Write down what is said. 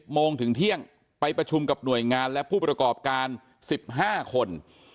โมงถึงเที่ยงไปประชุมกับหน่วยงานและผู้ประกอบการ๑๕คน